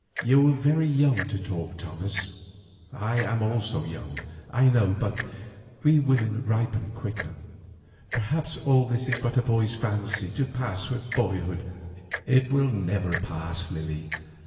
"You are very young to talk thus, Thomas. I am also young, I know, but we women ripen quicker. Perhaps all this is but a boy's fancy, to pass with boyhood." "It will never pass, Lily.